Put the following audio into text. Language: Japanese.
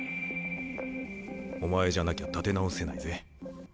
お前じゃなきゃ立て直せないぜ。